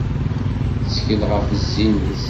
Tettkel ɣef zzin-is.